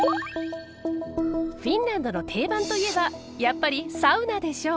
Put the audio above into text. フィンランドの定番といえばやっぱりサウナでしょう！